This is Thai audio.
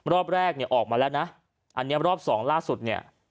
รอบแรกเนี่ยออกมาแล้วนะอันนี้รอบสองล่าสุดเนี่ย